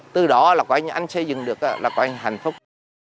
từ đó là anh xây dựng được là có hạnh phúc